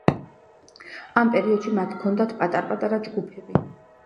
ამ პერიოდში მათ ჰქონდათ პატარ-პატარა ჯგუფები.